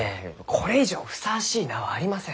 これ以上ふさわしい名はありません。